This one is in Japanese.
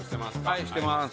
はいしてまーす